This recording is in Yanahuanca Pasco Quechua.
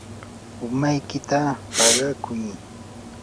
umaykita paqakuy.